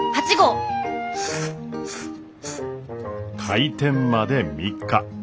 開店まで３日。